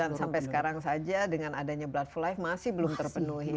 dan sampai sekarang saja dengan adanya blood for life masih belum terpenuhi